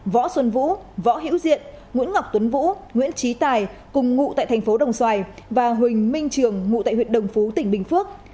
võ xuân vũ võ hiễu diện nguyễn ngọc tuấn vũ nguyễn trí tài cùng ngụ tại thành phố đồng xoài và huỳnh minh trường ngụ tại huyện đồng phú tỉnh bình phước